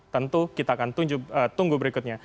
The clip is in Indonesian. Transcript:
tentu kita akan tunggu berikutnya